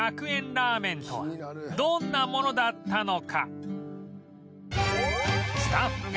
ラーメンとはどんなものだったのか？